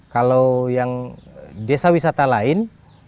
kalau yang desa wisata lain